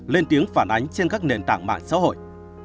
lên tiếng phản ánh trên các nền tảng mạng xã hội